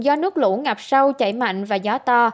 do nước lũ ngập sâu chảy mạnh và gió to